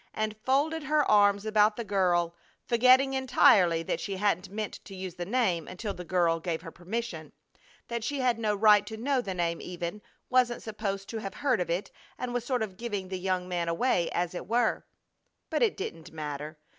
and folded her arms about the girl, forgetting entirely that she hadn't meant to use the name until the girl gave her permission; that she had no right to know the name even, wasn't supposed to have heard of it, and was sort of giving the young man away as it were. But it didn't matter!